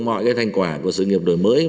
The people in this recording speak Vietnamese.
mọi cái thành quả của sự nghiệp đổi mới